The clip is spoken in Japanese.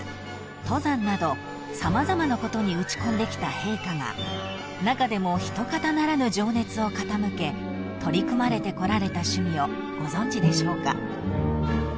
登山など様々なことに打ち込んできた陛下が中でもひとかたならぬ情熱を傾け取り組まれてこられた趣味をご存じでしょうか？］